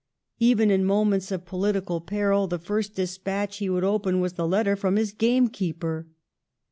Even in moments of political peril the first dispatch he would open was the letter from his gamekeeper.'